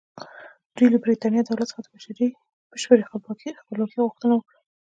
دوی له برېټانیا دولت څخه د بشپړې خپلواکۍ غوښتنه وکړه.